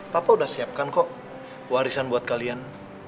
papa udah siapkan kok warisan buat kalian